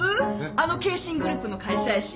あの京神グループの会社やし。